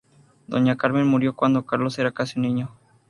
Doña Carmen murió cuando Carlos era casi un niño.